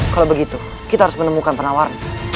kalau begitu kita harus menemukan penawaran